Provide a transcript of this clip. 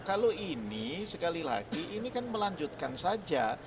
kalau ini sekali lagi ini kan melanjutkan saja